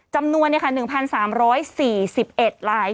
จำนวนเนี่ยค่ะ๑๓๔๑ลาย